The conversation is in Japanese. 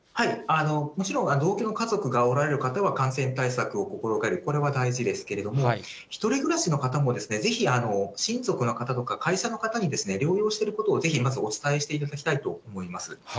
もちろん、同居の家族がおられる方は感染対策を心がける、これは大事ですけれども、１人暮らしの方も、ぜひご親族の方とか、会社の方に、療養してることをぜひ、まずお伝えしていただきたいと思います。